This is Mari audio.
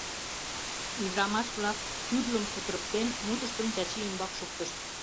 Ӱдырамаш-влак, тӱрлым кутырыктен, мутыштым Чачи ӱмбак шуктышт: